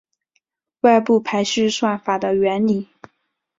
外部排序算法的原理